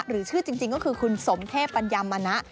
ชื่อจริงก็คือคุณสมเทพปัญญามณะ